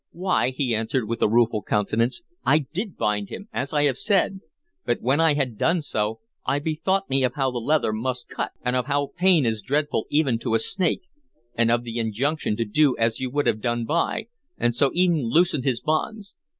"Why," he answered, with a rueful countenance, "I did bind him, as I have said; but when I had done so, I bethought me of how the leather must cut, and of how pain is dreadful even to a snake, and of the injunction to do as you would be done by, and so e'en loosened his bonds.